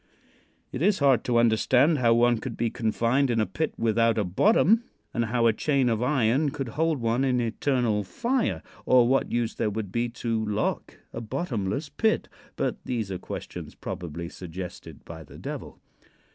It is hard to understand how one could be confined in a pit without a bottom, and how a chain of iron could hold one in eternal fire, or what use there would be to lock a bottomless pit; but these are questions probably suggested by the Devil.